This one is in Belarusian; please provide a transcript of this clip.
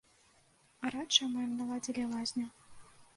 Гарачую мы ім наладзілі лазню.